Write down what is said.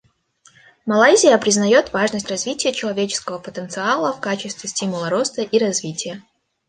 Малайзия признает важность развития человеческого потенциала в качестве стимула роста и развития.